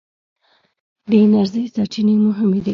د انرژۍ سرچینې مهمې دي.